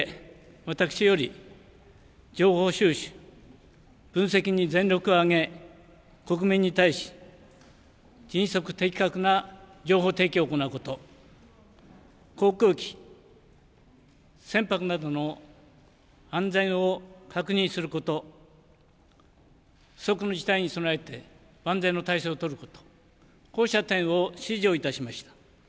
私より情報収集・分析に全力を挙げ国民に対し迅速・的確な情報提供を行うこと、航空機、船舶などの安全を確認すること、不測の事態に備えて万全の態勢を取ること、こうした点を指示をいたしました。